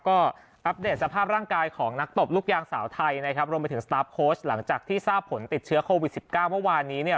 ก็อัปเดตสภาพร่างกายของนักตบลูกยางสาวไทยนะครับรวมไปถึงสตาร์ฟโค้ชหลังจากที่ทราบผลติดเชื้อโควิด๑๙เมื่อวานนี้เนี่ย